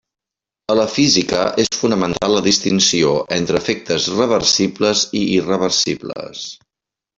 A la física és fonamental la distinció entre efectes reversibles i irreversibles.